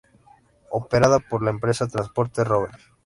Operada por la empresa Transportes Rober.